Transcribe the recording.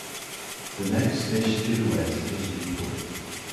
The next station to the west is Newport.